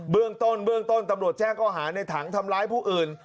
เรื่องต้นเบื้องต้นตำรวจแจ้งข้อหาในถังทำร้ายผู้อื่น